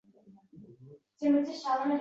Bir necha yuz yillik chinor daraxtlari ham bor.